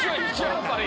やっぱり。